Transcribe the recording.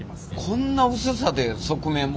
こんな薄さで側面は。